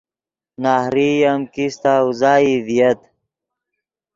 نہریئی ام کیستہ اوزائی ڤییت